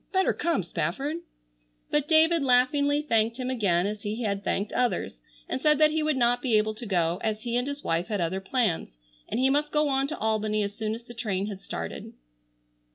Better come, Spafford." But David laughingly thanked him again as he had thanked others, and said that he would not be able to go, as he and his wife had other plans, and he must go on to Albany as soon as the train had started.